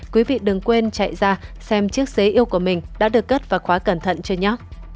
quý vị đừng quên chạy ra xem chiếc xế yêu của mình đã được cất vào khóa cẩn thận cho nhóc